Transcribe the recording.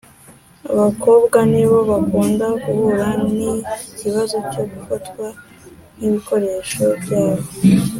abakobwa nibo bakunda guhura n’iki kibazo cyo gufatwa nk’ibikoresho byabo.